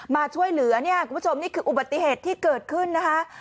มาช่วยเหลือเนี่ยคุณผู้ชมนี่คืออุบัติเหตุที่เกิดขึ้นนะคะ